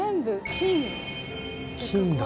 金だ。